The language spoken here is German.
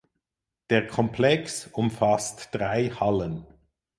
Der Komplex umfasst drei Hallen.